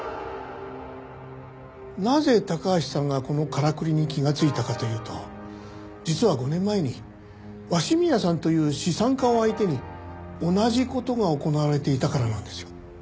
なぜ高橋さんがこのからくりに気がついたかというと実は５年前に鷲宮さんという資産家を相手に同じ事が行われていたからなんですよ。